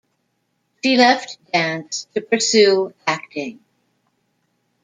She left dance to pursue acting.